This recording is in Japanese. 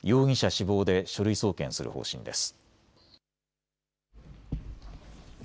死亡で書類送検する方針です。